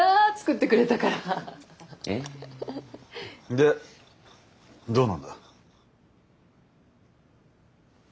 でどうなんだ？